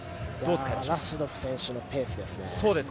ラシドフ選手のペースですね。